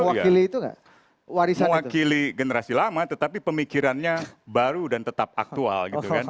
mewakili generasi lama tetapi pemikirannya baru dan tetap aktual